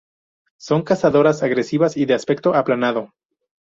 Son cazadoras, agresivas y de aspecto aplanado.